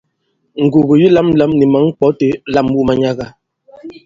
Ngùgù yi lāmlām ni mǎŋ ŋkwɔ̌ itē, lam wu manyaga!